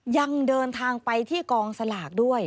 ยังเดินทางไปที่กองสลากด้วย